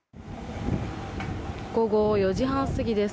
午後４時半過ぎです。